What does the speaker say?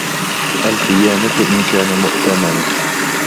الْخِيَانَةُ إنْ كَانَ مُؤْتَمَنًا